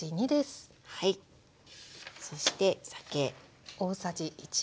そして酒。